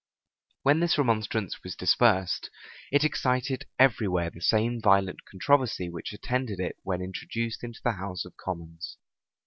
When this remonstrance was dispersed, it excited every where the same violent controversy which attended it when introduced into the house of commons.